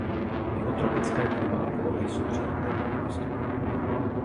Jeho tropické klima a poloha jsou příhodné pro turistiku.